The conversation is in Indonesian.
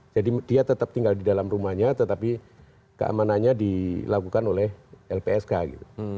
jadi dia tetap tinggal di dalam rumahnya tetapi keamanannya dilakukan oleh lpsk gitu